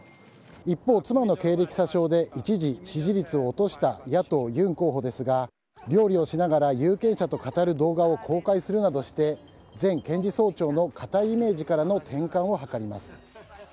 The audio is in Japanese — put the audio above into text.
一方、妻の経歴詐称で一時、支持率を落とした野党、ユン候補ですが、料理をしながら有権者と語る動画を公開するなどして、前検事総長の堅いイメージからの転換を図ります。